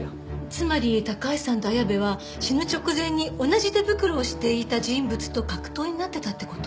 つまり高橋さんと綾部は死ぬ直前に同じ手袋をしていた人物と格闘になってたって事？